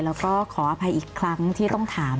แล้วก็ขออภัยอีกครั้งที่ต้องถาม